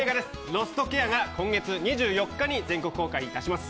「ロストケア」が今月２４日に全国公開いたします。